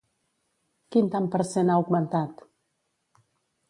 Quin tant per cent ha augmentat?